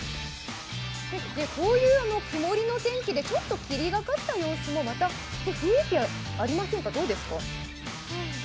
こういう曇りの天気で、ちょっと霧がかった様子もまた雰囲気ありませんか、どうですか？